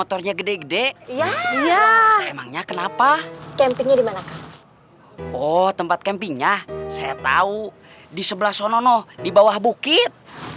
oh tempat campingnya saya tahu di sebelah sononoh di bawah bukit